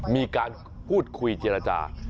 มีการพูดคุยเจรจา